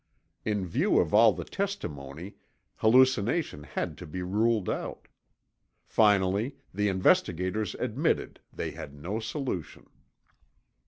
In view of all the testimony, hallucination had to he ruled out. Finally, the investigators admitted they had no solution.